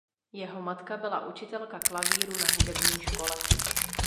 Jeho matka byla učitelka klavíru na hudební škole.